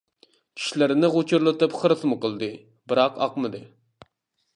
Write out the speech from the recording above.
چىشلىرىنى غۇچۇرلىتىپ خىرىسمۇ قىلدى، بىراق ئاقمىدى.